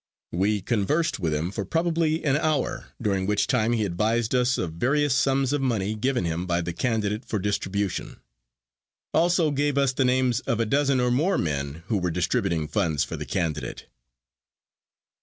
We conversed with him for probably an hour, during which time he advised us of various sums of money given him by the candidate for distribution, also gave us the names of a dozen or more men who were distributing funds for the candidate.